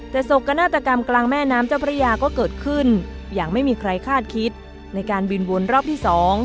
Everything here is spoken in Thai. แต่โศกนาฏกรรมกลางแม่น้ำเจ้าพระยาก็เกิดขึ้นอย่างไม่มีใครคาดคิดในการบินวนรอบที่๒